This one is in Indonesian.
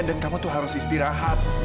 dan kamu tuh harus istirahat